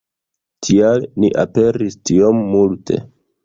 Tial ni aperis tiom multe.